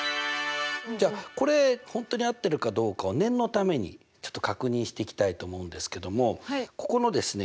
じゃあこれ本当に合ってるかどうかを念のためにちょっと確認していきたいと思うんですけどもここのですね